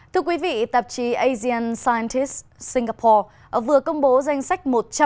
thưa quý vị tạp chí asian scientist singapore vừa công bố danh sách